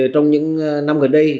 trong những năm gần đây